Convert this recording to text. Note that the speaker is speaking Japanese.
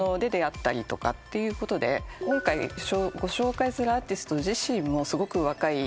今回ご紹介するアーティスト自身もすごく若い。